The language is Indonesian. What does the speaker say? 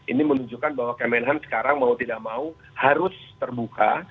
ini menunjukkan bahwa kemenhan sekarang mau tidak mau harus terbuka